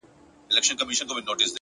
مهرباني د انساني اړیکو رڼا ده